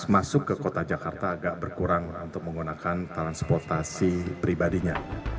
masuk ke kota jakarta agak berkurang untuk menggunakan transportasi pribadinya